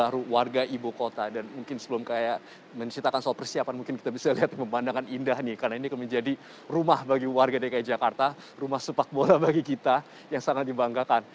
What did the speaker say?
rumah bagi warga dki jakarta rumah sepak bola bagi kita yang sangat dibanggakan